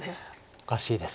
おかしいです。